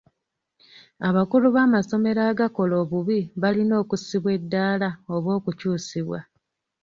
Abakulu b'amasomero agakola obubi balina okussibwa eddaala oba okukyusibwa.